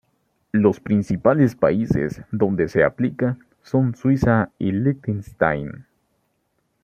Los principales países donde se aplica son Suiza y Liechtenstein.